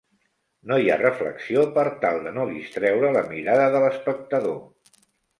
No hi ha reflexió per tal de no distreure la mirada de l'espectador.